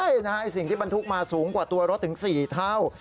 ใช่นะฮะสิ่งที่บรรทุกมาสูงกว่าตัวรถถึง๔เท่า